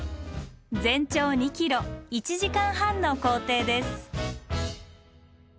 全長２ｋｍ１時間半の行程です。